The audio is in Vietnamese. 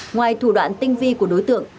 ngoài thủ đoạn tinh vi của đối tượng